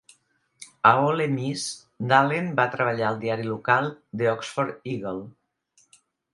A Ole Miss, Dallen va treballar al diari local, The Oxford Eagle.